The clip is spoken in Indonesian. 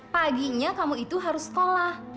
paginya kamu itu harus sekolah